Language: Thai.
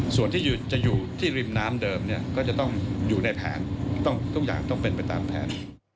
ส่วนที่จะอยู่ที่ริมน้ำเดิมเนี่ยก็จะต้องอยู่ในแผนทุกอย่างต้องเป็นไปตามแผน